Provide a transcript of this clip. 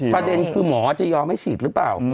ประเด็นคือหมอจะยอมให้ฉีดหรือเปล่า